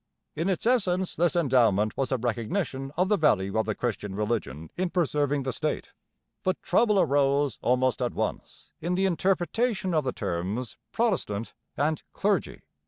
In its essence this endowment was a recognition of the value of the Christian religion in preserving the state. But trouble arose almost at once in the interpretation of the terms 'Protestant' and 'clergy.'